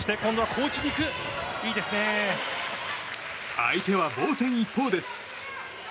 相手は防戦一方です。